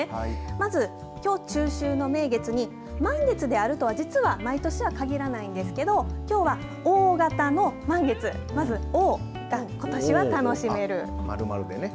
まず、きょう中秋の名月に満月であるとは実は毎年は限らないんですけどきょうは大型の満月、まずＯがことしは楽しめる。